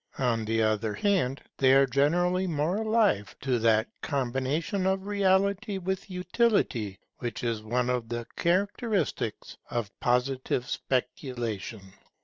On the other hand, they are generally more alive to that combination of reality with utility which is one of the characteristics of Positive speculation.